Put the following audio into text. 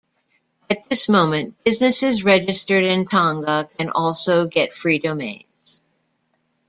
At this moment businesses registered in Tonga can also get free domains.